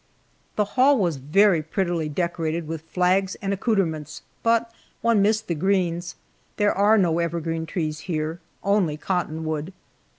The hall was very prettily decorated with flags and accoutrements, but one missed the greens. There are no evergreen trees here, only cottonwood.